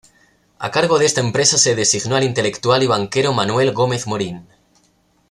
A cargo de esta empresa se designó al intelectual y banquero Manuel Gómez Morin.